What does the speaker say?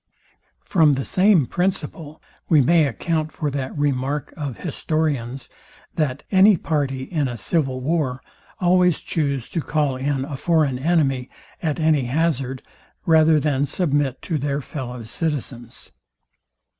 From the same principle we may account for that remark of historians, that any party in a civil war always choose to call in a foreign enemy at any hazard rather than submit to their fellow citizens.